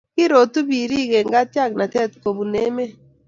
kirotu birik eng' katyaknatet kobun emet.